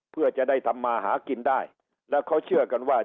เพื่อจะได้ทำมาหากินได้แล้วเขาเชื่อกันว่า